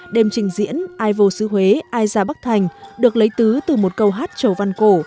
đêm trình diễn ai vô sư huế ai gia bắc thành được lấy tứ từ một câu hát trầu văn cổ